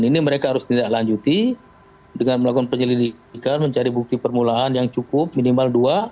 ini mereka harus tindak lanjuti dengan melakukan penyelidikan mencari bukti permulaan yang cukup minimal dua